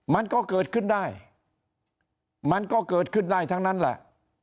มันก็เกิดขึ้นได้มันก็เกิดขึ้นได้ทั้งนั้นแหละ